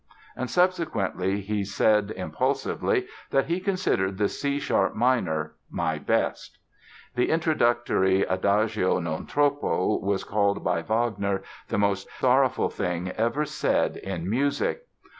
And subsequently he said impulsively that he considered the C sharp minor "my best." The introductory "Adagio non troppo" was called by Wagner "the most sorrowful thing ever said in music."